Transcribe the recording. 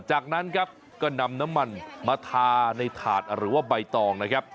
จากนั้นครับก็นำน้ำมันมาทาในถาดหรือว่าใบตองนะครับ